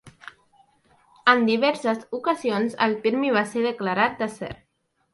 En diverses ocasions el premi va ser declarat desert.